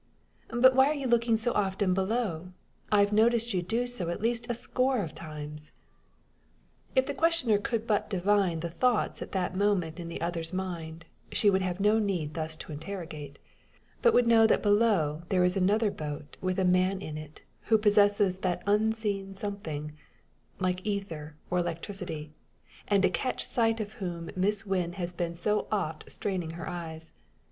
"But why are you looking so often below? I've noticed you do so at least a score of times." If the questioner could but divine the thoughts at that moment in the other's mind, she would have no need thus to interrogate, but would know that below there is another boat with a man in it, who possesses that unseen something, like ether or electricity, and to catch sight of whom Miss Wynn has been so oft straining her eyes.